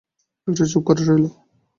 একটু চুপ করে রইল।